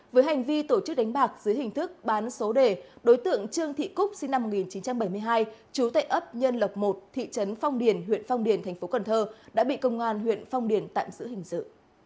với hành vi tổ chức đánh bạc dưới hình thức bán số đề đối tượng trương thị cúc sinh năm một nghìn chín trăm bảy mươi hai chú tệ ấp nhân lộc một thị trấn phong điền huyện phong điền thành phố cần thơ đã bị công an huyện phong điền tạm giữ hình sự